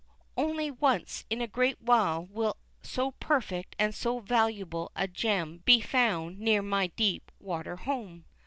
Only once in a great while will so perfect and so valuable a gem be found near my deep water home.